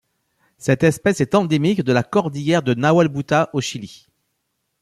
Cette espèce est endémique de la cordillère de Nahuelbuta au Chili.